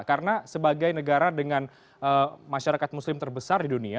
karena sebagai negara dengan masyarakat muslim terbesar di dunia